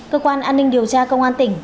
cơ quan an ninh điều tra công an tỉnh